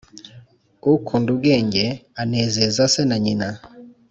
ukunda ubwenge anezeza se na nyina